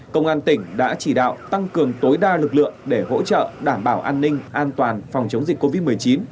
công an tỉnh đã chỉ đạo tăng cường tối đa lực lượng để hỗ trợ đảm bảo an ninh an toàn phòng chống dịch covid một mươi chín